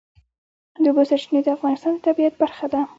د اوبو سرچینې د افغانستان د طبیعت برخه ده.